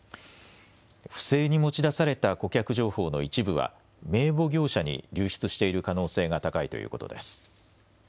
不正に持ち出された顧客情報の一部は名簿業者に流出している可能性が高いということです。